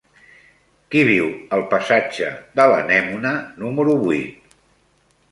Qui viu al passatge de l'Anemone número vuit?